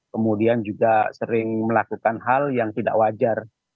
kemudian juga sering melakukan hal yang tidak wajar